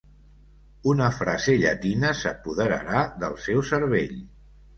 Una frase llatina s'apoderarà del seu cervell.